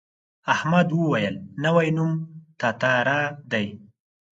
احمد وویل نوی نوم تتارا دی.